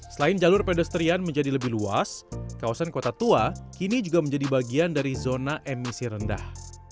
selain jalur pedestrian menjadi lebih luas kawasan kota tua kini juga menjadi bagian dari zona emisi rendah